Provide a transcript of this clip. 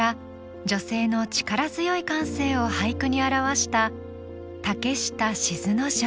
女性の力強い感性を俳句に表した竹下しづの女。